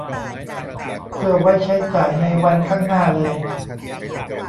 เพื่อไว้ใช้จ่ายในวันข้างหน้าเลย